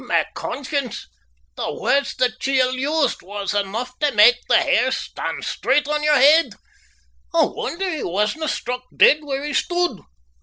Ma conscience! the words the chiel used was eneugh tae mak' the hair stand straight on your heid. I wonder he wasna struck deid where he stood.